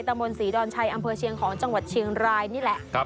มนต์ศรีดอนชัยอำเภอเชียงของจังหวัดเชียงรายนี่แหละ